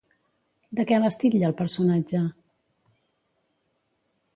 De què les titlla el personatge?